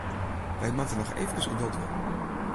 Wy moatte noch eefkes geduld dwaan.